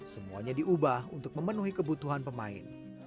semuanya diubah untuk memenuhi kebutuhan pemain